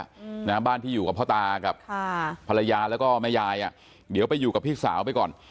ข้อมูลเป็นบ้านที่อยู่กับพ่อตากับภรรยาแล้วก็แม่ยายเดี๋ยวไปอยู่กับพีชสาวไปก่อน